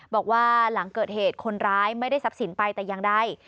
บอกว่าหลังเกิดเหตุคนร้ายไม่ได้ทรัพย์สินไปแต่อย่างใด